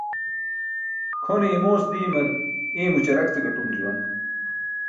Kʰone imoos diimar iymo ćarak ce gaṭum juwan.